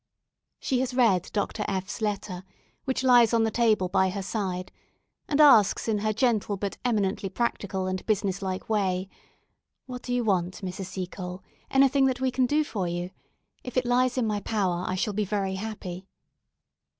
She has read Dr. F 's letter, which lies on the table by her side, and asks, in her gentle but eminently practical and business like way, "What do you want, Mrs. Seacole anything that we can do for you? If it lies in my power, I shall be very happy."